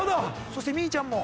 そしてみぃちゃんも。